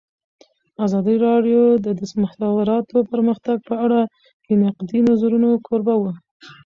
ازادي راډیو د د مخابراتو پرمختګ په اړه د نقدي نظرونو کوربه وه.